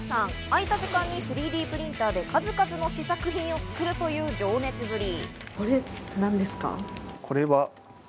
空いた時間に３Ｄプリンターで数々の試作品を作るという情熱ぶり。